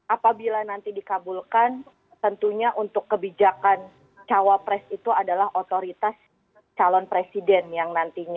apabila nanti dikabulkan tentunya untuk kebijakan cawapres itu adalah otoritas calon presiden yang nantinya